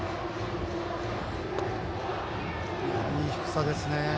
いい低さですね。